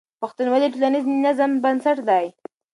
پښتونولي د ټولنیز نظم بنسټ دی.